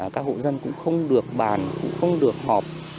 các hộ dân cũng không được bàn cũng không được họp